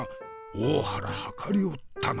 大原謀りおったな！